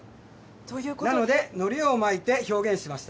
なのでのりを巻いて表現しました。